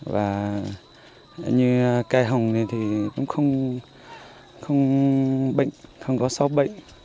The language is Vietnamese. và như cây hồng này thì cũng không bệnh không có sâu bệnh